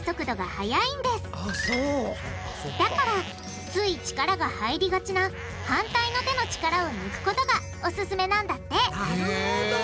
だからつい力が入りがちな反対の手の力を抜くことがオススメなんだってなるほど！